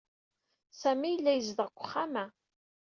Sami yella yezdeɣ deg uxxam-a.